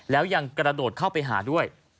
แล้วยังกระโดดเข้าไปหาด้วย